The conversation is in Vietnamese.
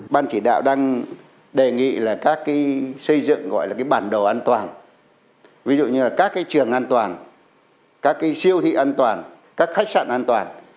ban chỉ đạo đang đề nghị các xây dựng bản đồ an toàn ví dụ như các trường an toàn các siêu thị an toàn các khách sạn an toàn